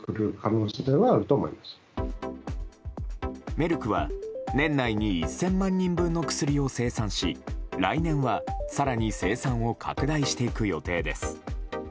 メルクは年内に１０００万人分の薬を生産し来年は、更に生産を拡大していく予定です。